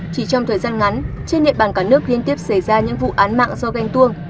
chỉ trong thời gian ngắn trên địa bàn cả nước liên tiếp xảy ra những vụ án mạng do ganh tuông